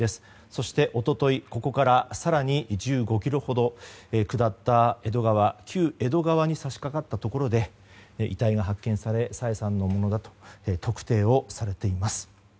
そして一昨日、ここから更に１５ｋｍほど下った旧江戸川に差し掛かったところで遺体が発見され朝芽さんのものだと特定をされています。